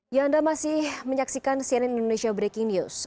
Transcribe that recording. ya anda masih menyaksikan cnn indonesia breaking news